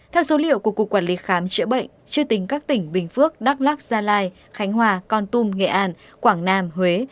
theo số liệu của cục quản lý khám chữa bệnh chưa tính các tỉnh bình phước đắk lắc gia lai khánh hòa con tum nghệ an quảng nam huế